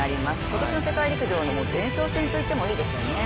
今年の世界陸上の前哨戦といってもいいでしょうね。